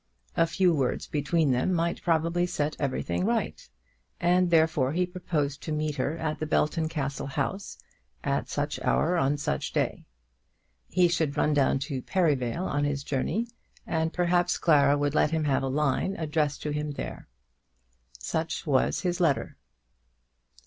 A few words between them might probably set everything right, and therefore he proposed to meet her at the Belton Castle house, at such an hour, on such a day. He should run down to Perivale on his journey, and perhaps Clara would let him have a line addressed to him there. Such was his letter.